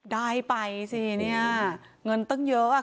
ได้ไปสิเนี่ยเงินตั้งเยอะ